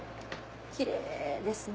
キレイですね。